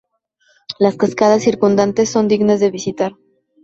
Las cascadas circundantes son dignas de visitar.